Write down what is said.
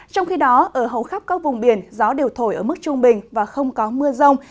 trong khi đó ở hầu khắp các vùng biển gió đều thổi ở mức trung bình và không có mưa rông